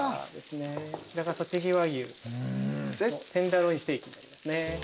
こちらがとちぎ和牛テンダーロインステーキになりますね。